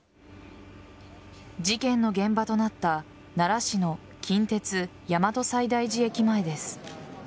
事件の現場となった奈良市の近鉄大和西大寺駅前です。